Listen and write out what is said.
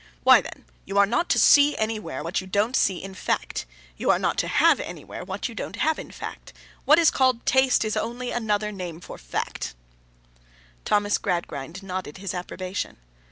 'Why, then, you are not to see anywhere, what you don't see in fact; you are not to have anywhere, what you don't have in fact. What is called Taste, is only another name for Fact.' Thomas Gradgrind nodded his approbation.